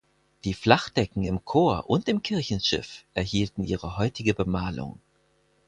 Die Flachdecken im Chor und im Kirchenschiff erhielten ihre heutige Bemalung.